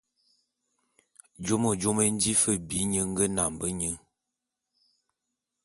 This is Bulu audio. Jôme jôme é nji fe bi nye nge nambe nye.